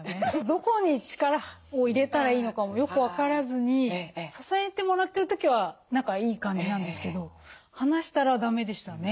どこに力を入れたらいいのかもよく分からずに支えてもらってる時は何かいい感じなんですけど離したらだめでしたね。